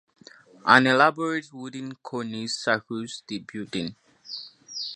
An elaborate wooden cornice circles the building.